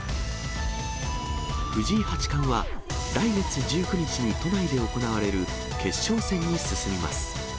藤井八冠は、来月１９日に都内で行われる決勝戦に進みます。